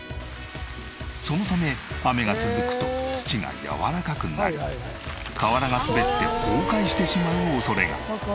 そのため雨が続くと土がやわらかくなり瓦が滑って崩壊してしまう恐れが。